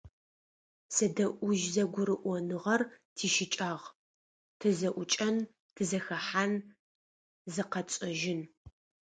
Зэдэӏужь-зэгурыӏоныгъэр тищыкӏагъ: тызэӏукӏэн, тызэхэхьан, зыкъэтшӏэжьын…